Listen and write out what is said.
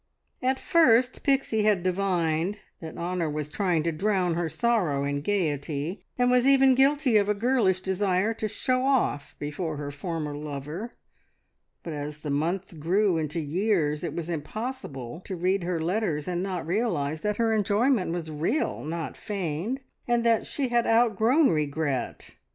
At first Pixie had divined that Honor was trying to drown her sorrow in gaiety, and was even guilty of a girlish desire to "show off" before her former lover, but as the months grew into years it was impossible to read her letters and not realise that her enjoyment was real, not feigned, and that she had outgrown regret.